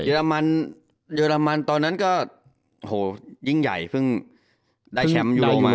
เยอรมันเยอรมันตอนนั้นก็โหยิ่งใหญ่ผึ้งได้แชมป์อยู่โรหมา